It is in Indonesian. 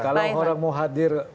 kalau orang mau hadir